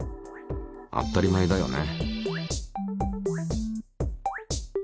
当たり前だよね。